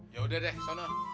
yaudah deh sana